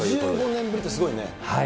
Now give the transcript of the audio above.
５５年ぶりってすごいね。